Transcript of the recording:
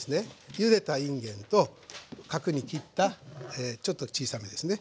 ゆでたいんげんと角に切ったちょっと小さめですね